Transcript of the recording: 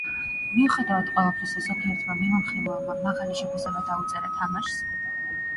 მიუხედავად ყველაფრისა, ზოგიერთმა მიმოხილველმა მაღალი შეფასება დაუწერა თამაშს.